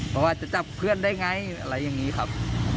เพราะว่าจะจับเพื่อนได้ไงอะไรอย่างนี้ครับ